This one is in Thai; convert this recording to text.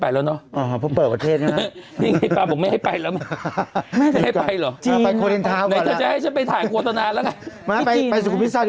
ไปสุขุมพิสาท๑๒ก่อนก็ได้